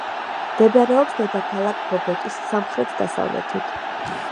მდებარეობს დედაქალაქ ბოგოტის სამხრეთ-დასავლეთით.